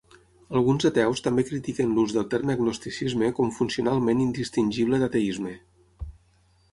Alguns ateus també critiquen l'ús del terme agnosticisme com funcionalment indistingible d'ateisme.